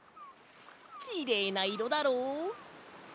きれいないろだろう？